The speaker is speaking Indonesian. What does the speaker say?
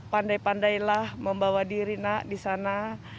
pandai pandailah membawa diri nak di sana